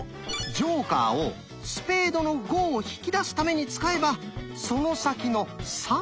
ジョーカーを「スペードの５」を引き出すために使えばその先の「３」も出せたんですね。